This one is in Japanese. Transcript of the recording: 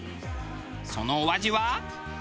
そのお味は？